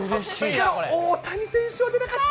けど、大谷選手は出なかった。